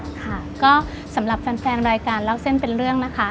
ค่ะก็สำหรับแฟนรายการเล่าเส้นเป็นเรื่องนะคะ